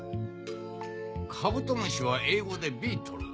カブトムシは英語で「ビートル」。